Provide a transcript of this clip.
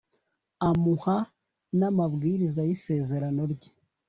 amuha n’amabwiriza y’Isezerano rye,